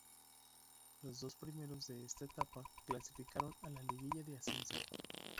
Los dos primeros de esta etapa clasificaron a la Liguilla de Ascenso.